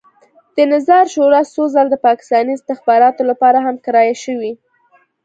د نظار شورا څو ځله د پاکستاني استخباراتو لپاره هم کرایه شوې.